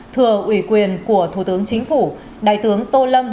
thừa ủy quyền của thủ tướng chính phủ đại tướng tô lâm